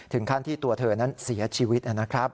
ถึงขั้นที่ตัวเธอนั้นเสียชีวิตนะครับ